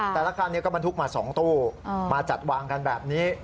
แต่ละคันนี้ก็บรรทุกมา๒ตู้มาจัดวางกันแบบนี้